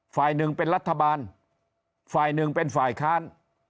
ฝ่ายหนึ่งเป็นรัฐบาลฝ่ายหนึ่งเป็นฝ่ายค้าน